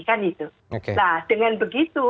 kan itu nah dengan begitu